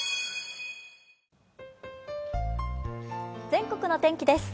全国の天気です。